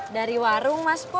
dari warung mas pur